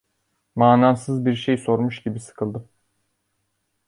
Manasız bir şey sormuş gibi sıkıldım.